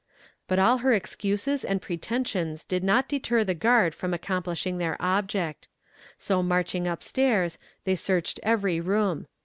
But all her excuses and pretensions did not deter the guard from accomplishing their object. So marching up stairs, they searched every room.